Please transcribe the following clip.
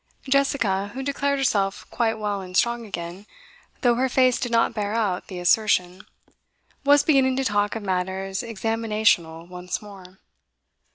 Jessica, who declared herself quite well and strong again, though her face did not bear out the assertion, was beginning to talk of matters examinational once more.